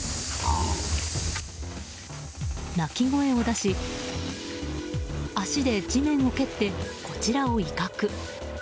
鳴き声を出し足で地面を蹴ってこちらを威嚇。